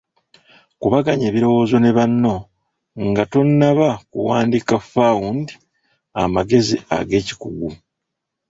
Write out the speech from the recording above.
Kubaganya ebirowoozo ne banno nga tonnaba kuwandiika found amagezi ag'ekikugu.